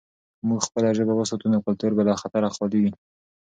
که موږ خپله ژبه وساتو، نو کلتور به له خطره خالي وي.